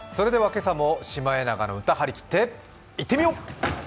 今朝もシマエナガの歌張り切っていってみよう。